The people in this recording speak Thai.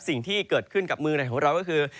สิ่งที่เกิดขึ้นกับเมืองไหนของเราก็คือ